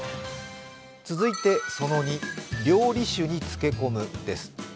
続いてその２、料理酒につけ込む。